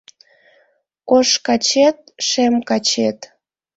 Ош качет, шем качет